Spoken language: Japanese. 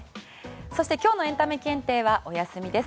そして今日のエンタメ検定はお休みです。